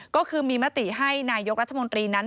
ก็คือมีมติให้นายกรัฐมนตรีนั้น